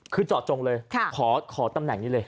คือเจาะจงเลยขอตำแหน่งนี้เลย